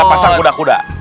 kita pasang kuda kuda